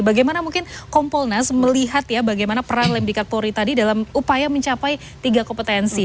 bagaimana mungkin kompolnas melihat ya bagaimana peran lemdikat polri tadi dalam upaya mencapai tiga kompetensi